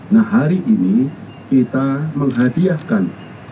nah hari ini kita menghadiahkan